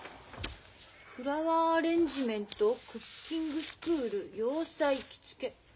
フラワーアレンジメントクッキングスクール洋裁着付け。